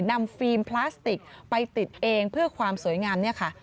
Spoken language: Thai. ฟิล์มพลาสติกไปติดเองเพื่อความสวยงามเนี่ยค่ะ